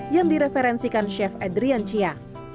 yang direferensikan chef adrian cia